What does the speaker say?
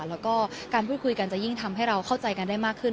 แล้วก็การพูดคุยกันจะยิ่งทำให้เราเข้าใจกันได้มากขึ้น